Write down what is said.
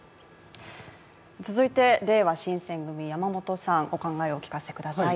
続いて、れいわ新選組・山本さん、お考えをお聞かせください。